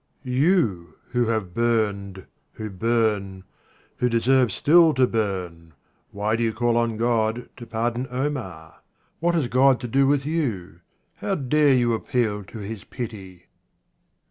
You, who have burned, who burn, who deserve still to burn, why do you call on God to pardon Omar ? What has God to do with you ? How dare you appeal to His pity